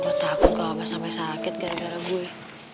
gue takut kalau apa sampe sakit gara gara gue